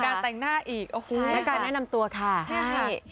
การแต่งหน้าอีกและการแนะนำตัวค่ะใช่ค่ะ